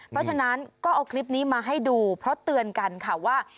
เพราะฉะนั้นก็เอาคลิปนี้มาให้ดูเพราะเตือนกันค่ะว่า